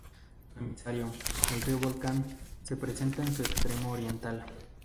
Su emisario, el río Volcán se presenta en su extremo oriental.